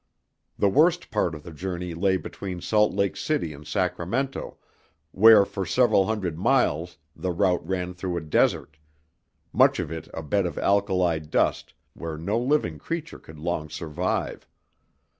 The worst part of the journey lay between Salt Lake City and Sacramento, where for several hundred miles the route ran through a desert, much of it a bed of alkali dust where no living creature could long survive.